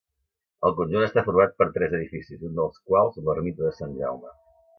El conjunt està format per tres edificis, un dels quals l'ermita de Sant Jaume.